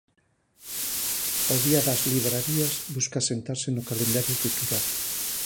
O Día das Librarías busca asentarse no calendario cultural.